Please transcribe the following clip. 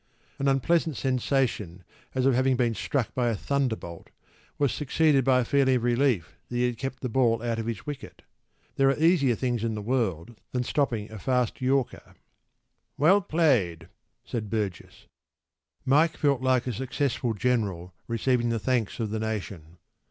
An unpleasant sensation as of having been struck by a thunderbolt was succeeded by a feeling of relief that he had kept the ball out of his wicket.  There are easier things in the world than stopping a fast yorker. “Well played,” said Burgess. Mike felt like a successful general receiving the thanks of the nation.